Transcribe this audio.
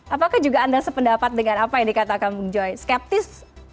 apakah juga anda sependapat dengan apa yang dikatakan bung joy skeptis